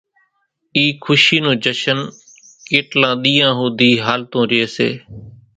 اِي کشي نون جشن ڪيٽلان ۮيان ۿوڌي ھالتون رئي سي